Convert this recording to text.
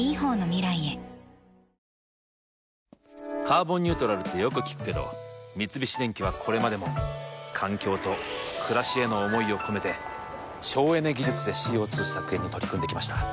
「カーボンニュートラル」ってよく聞くけど三菱電機はこれまでも環境と暮らしへの思いを込めて省エネ技術でＣＯ２削減に取り組んできました。